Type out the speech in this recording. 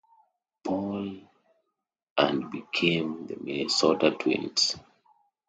Paul and became the Minnesota Twins.